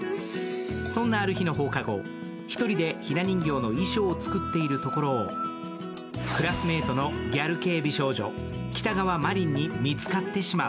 そんなある日の放課後、１人でひな人形の衣装を作っているところをクラスメートのギャル系美少女、喜多川海夢に見つかってしまう。